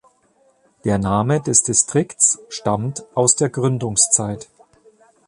Der Name des Distrikts stammt aus der Gründungszeit.